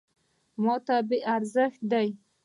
.ماته بې ارزښته دی .